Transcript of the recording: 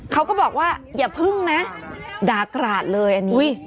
เขาก็บอกว่าอย่าพึ่งนะด่ากราดเลยอันนี้